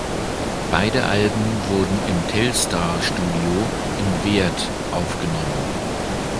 Beide Alben wurden im Telstar Studio in Weert aufgenommen.